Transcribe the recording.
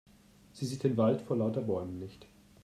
Sie sieht den Wald vor lauter Bäumen nicht.